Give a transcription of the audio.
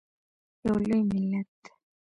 یو لوی ملت.